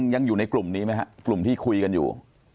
ยังอยู่ในกลุ่มนี้ไหมครับกลุ่มที่คุยกันอยู่